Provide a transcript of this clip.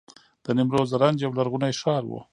د نیمروز زرنج یو لرغونی ښار و